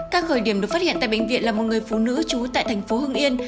các khởi điểm được phát hiện tại bệnh viện là một người phụ nữ trú tại thành phố hưng yên